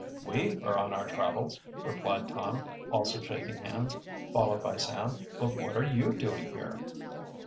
"We are on our travels," replied Tom, also shaking hands, followed by Sam. "But what are you doing here?"